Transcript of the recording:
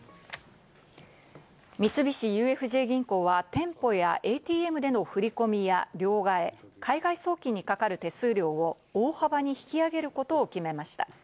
三菱ＵＦＪ銀行は店舗やＡＴＭでの振り込みや両替、海外送金にかかる手数料を大幅に引き上げることを決めました。